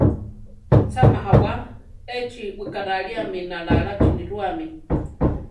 Cha majawá! Échi wikaráliami Nalaláchi nirúami.